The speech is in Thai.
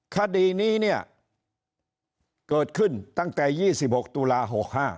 คดีนี้เนี่ยเกิดขึ้นตั้งแต่๒๖ตุลา๖๕